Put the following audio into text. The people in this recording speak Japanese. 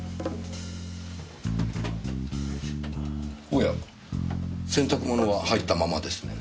おや洗濯物は入ったままですね。